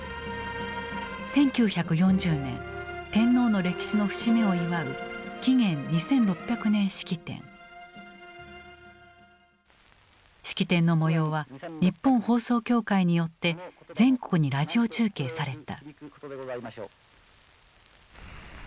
１９４０年天皇の歴史の節目を祝う式典の模様は日本放送協会によって全国にラジオ中継された。